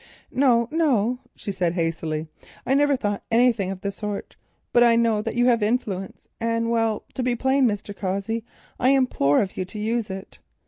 "No, no," she said hastily. "I never thought anything of the sort—but I know that you have influence—and, well, to be plain, Mr. Cossey, I implore of you to use it.